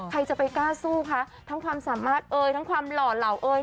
ใครจะไปกล้าสู้คะทั้งความสามารถเอ่ยทั้งความหล่อเหล่าเอ๋ย